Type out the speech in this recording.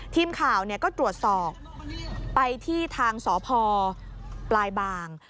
ทีมข่าวก็ตรวจสอบไปที่ทางสพปลายบาง